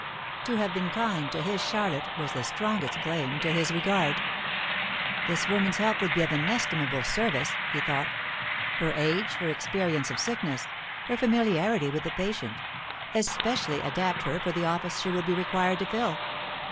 To have been kind to his Charlotte was the strongest claim to his regard. "This woman's help would be of inestimable service," he thought; "her age, her experience of sickness, her familiarity with the patient, especially adapt her for the office she will be required to fill.